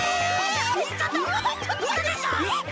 ちょっとうそでしょ？